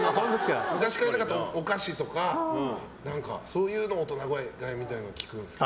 昔買えなかったお菓子とかそういうのは大人買いみたいなの聞くんですけど。